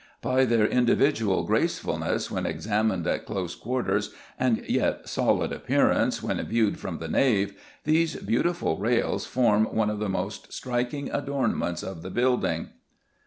By their individual gracefulness when examined at close quarters, and yet solid appearance when viewed from the nave, these beautiful rails form one of the most striking adornments of the building.